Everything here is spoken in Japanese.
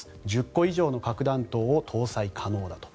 １０個以上の核弾頭を搭載可能だと。